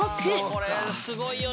これすごいよね。